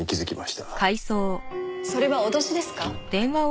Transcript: それは脅しですか？